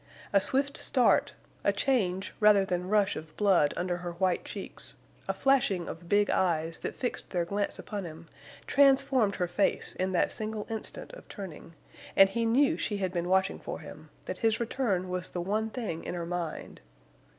A swift start, a change rather than rush of blood under her white cheeks, a flashing of big eyes that fixed their glance upon him, transformed her face in that single instant of turning, and he knew she had been watching for him, that his return was the one thing in her mind.